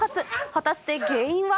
果たして原因は？